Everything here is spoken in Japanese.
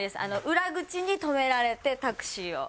裏口に止められてタクシーを。